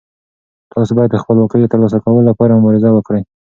تاسو باید د خپلواکۍ د ترلاسه کولو لپاره مبارزه وکړئ.